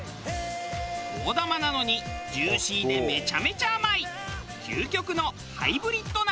大玉なのにジューシーでめちゃめちゃ甘い究極のハイブリッド梨。